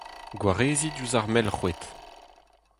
Gwareziñ diouzh ar melc'hwed.